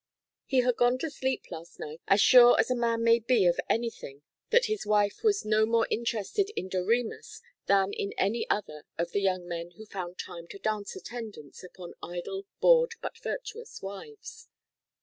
He had gone to sleep last night as sure as a man may be of anything that his wife was no more interested in Doremus than in any other of the young men who found time to dance attendance upon idle, bored, but virtuous wives.